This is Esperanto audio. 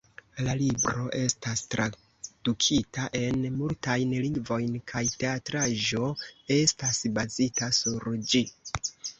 La libro estas tradukita en multajn lingvojn kaj teatraĵo estas bazita sur ĝi.